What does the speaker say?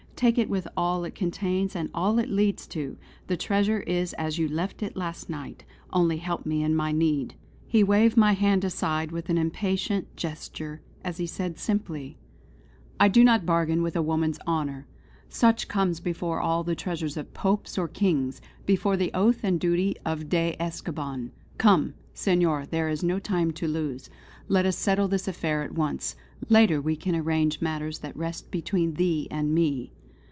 Take it with all it contains, and all it leads to! The treasure is as you left it last night; only help me in my need." He waved my hand aside with an impatient gesture as he said simply: "I do not bargain with a woman's honour. Such comes before all the treasures of Popes or Kings; before the oath and duty of a de Escoban. Come! Senor, there is no time to lose. Let us settle this affair first; later we can arrange matters that rest between thee and me!"